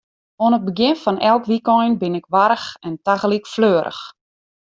Oan it begjin fan elk wykein bin ik warch en tagelyk fleurich.